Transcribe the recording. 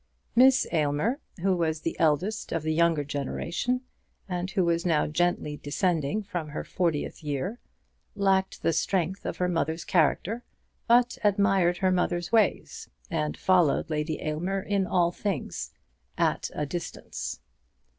Miss Aylmer, who was the eldest of the younger generation, and who was now gently descending from her fortieth year, lacked the strength of her mother's character, but admired her mother's ways, and followed Lady Aylmer in all things, at a distance.